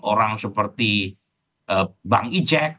orang seperti bang ijek